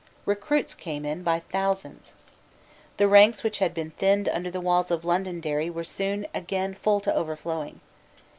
Recruits came in by thousands. The ranks which had been thinned under the walls of Londonderry were soon again full to overflowing.